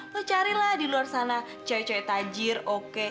lu carilah di luar sana cewek cewek tajir oke